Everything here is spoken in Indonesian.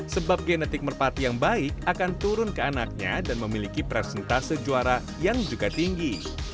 sebab genetik merpati yang baik akan turun ke anaknya dan memiliki presentase juara yang juga tinggi